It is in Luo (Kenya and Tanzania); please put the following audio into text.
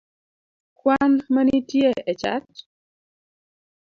kwan manitie e chat?